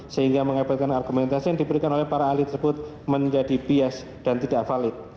sehingga mengakibatkan argumentasi yang diberikan oleh para ahli tersebut menjadi bias dan tidak valid